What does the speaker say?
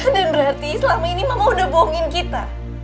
dan berarti selama ini mama udah bohongin kita